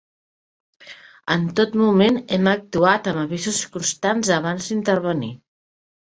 En tot moment hem actuat amb avisos constants abans d’intervenir.